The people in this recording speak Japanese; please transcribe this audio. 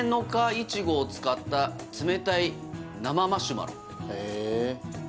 イチゴを使った冷たい生マシュマロへえ